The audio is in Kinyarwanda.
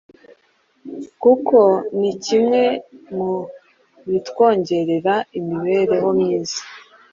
kuko ni kimwe mu bitwongerera imibereho myiza